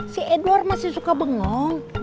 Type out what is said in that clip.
si edward masih suka bengong